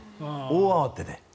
大慌てで。